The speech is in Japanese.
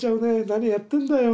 何やってんだよ。